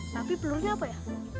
tapi pelurnya apa ya